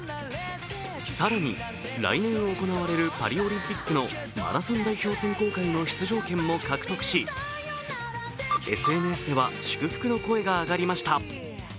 更に、来年行われるパリオリンピックのマラソン代表選考会の出場権も獲得し、ＳＮＳでは祝福の声が上がりました。